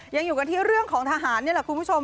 ยังอยู่กันที่เรื่องของทหารคุณผู้ชม